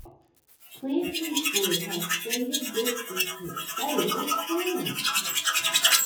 Clint Eastwood has stated this is his favorite film.